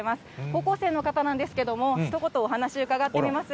高校生の方なんですけれども、ひと言、お話伺ってみます。